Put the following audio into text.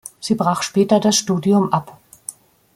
Sie brach später das Studium ab.